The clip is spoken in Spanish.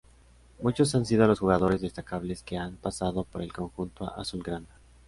Muchos han sido los jugadores destacables que han pasado por el conjunto azulgrana.